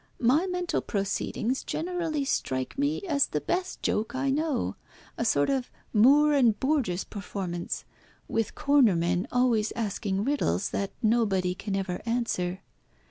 My mental proceedings generally strike me as the best joke I know, a sort of Moore and Burgess' performance, with corner men always asking riddles that nobody can ever answer.